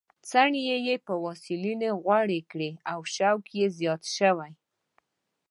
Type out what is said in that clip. څڼې یې په واسلینو غوړې کړې او شوق یې زیات شوی.